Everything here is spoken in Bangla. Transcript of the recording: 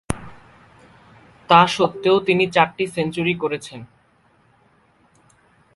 তা স্বত্ত্বেও তিনি চারটি সেঞ্চুরি করেছেন।